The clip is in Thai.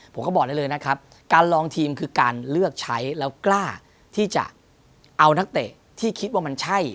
ผมก็บอกได้เลยนะครับการลองทีมคือการเลือกใช้แล้วกล้าที่จะเอานักเตะที่คิดว่ามันใช่